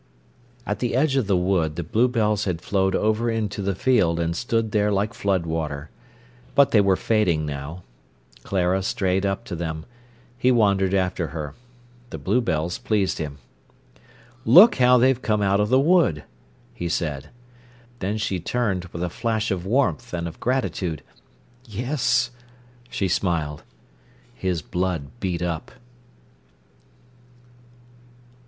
At the edge of the wood the bluebells had flowed over into the field and stood there like flood water. But they were fading now. Clara strayed up to them. He wandered after her. The bluebells pleased him. "Look how they've come out of the wood!" he said. Then she turned with a flash of warmth and of gratitude. "Yes," she smiled. His blood beat up.